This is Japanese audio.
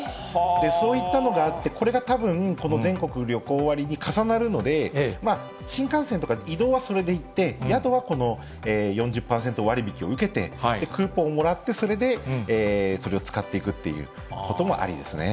そういったのがあって、これがたぶんこの全国旅行割に重なるので、新幹線とか移動はそれで行って、宿はこの４０％割引きを受けて、クーポンをもらって、それでそれを使っていくということもありですね。